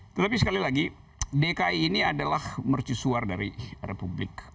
tetapi sekali lagi dki ini adalah mercusuar dari republik